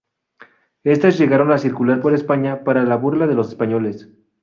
Estas llegaron a circular por España para la burla de los españoles.